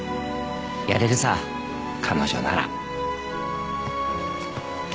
やれるさ彼女なら。